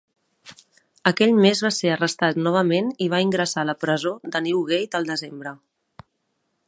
Aquell mes va ser arrestat novament i va ingressar a la presó de Newgate al desembre.